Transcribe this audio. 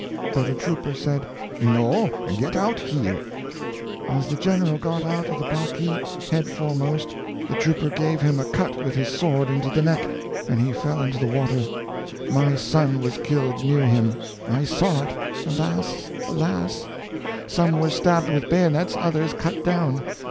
But a trooper said, 'No, get out here.' As the General got out of the palkee, head foremost, the trooper gave him a cut with his sword into the neck, and he fell into the water. My son was killed near him. I saw it; alas! alas! Some were stabbed with bayonets; others cut down.